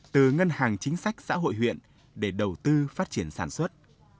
từ ngân hàng chính sách xã hội huyện để đầu tư phát triển sản xuất